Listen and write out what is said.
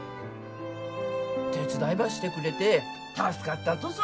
手伝いばしてくれて助かったとぞ。